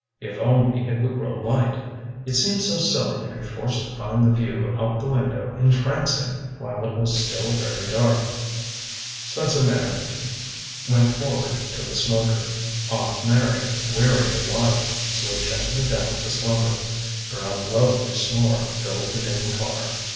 If only it would grow light! It seemed so silly to be forced to find the view out the window entrancing while it was still very dark. Spencer Meyrick went forward to the smoker. Aunt Mary, weary of life, slid gently down to slumber. Her unlovely snore filled the dim car.